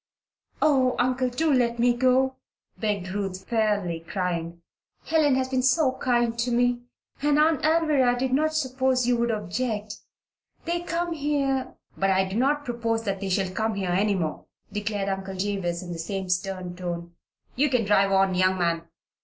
"Oh, Uncle! do let me go," begged Ruth, fairly crying. "Helen has been so kind to me and Aunt Alvirah did not suppose you would object. They come here " "But I do not propose that they shall come here any more," declared Uncle Jabez, in the same stern tone. "You can drive on, young man.